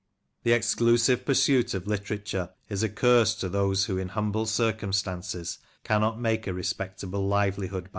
The exclusive pursuit of literature is a curse to those who in humble circumstances cannot make a respectable livelihood John CritcMey Prince.